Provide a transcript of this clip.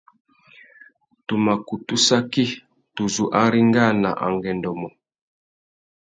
Tu mà kutu saki tu zu arengāna angüêndô mô.